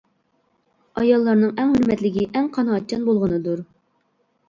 ئاياللارنىڭ ئەڭ ھۆرمەتلىكى ئەڭ قانائەتچان بولغىنىدۇر.